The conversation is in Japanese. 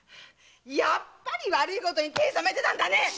やっぱり悪いことに手を染めてたんだね！